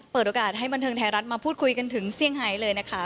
เปิดโอกาสให้บันเทิงไทยรัฐมาพูดคุยกันถึงเซี่ยงไฮเลยนะคะ